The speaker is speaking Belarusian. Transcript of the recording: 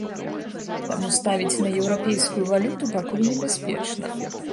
Таму ставіць на еўрапейскую валюту пакуль небяспечна.